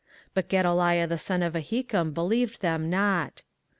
But Gedaliah the son of Ahikam believed them not.